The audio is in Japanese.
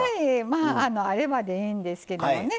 まああればでいいんですけどもね。